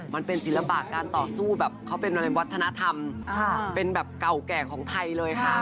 มันเป็นศิลปะการต่อสู้แบบเขาเป็นอะไรวัฒนธรรมเป็นแบบเก่าแก่ของไทยเลยค่ะ